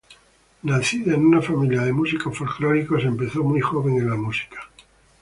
Nacida en una familia de músicos folclóricos, empezó muy joven en la música.